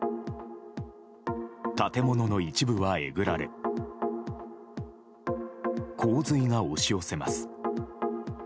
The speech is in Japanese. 建物の一部はえぐられ洪水が押し寄せます。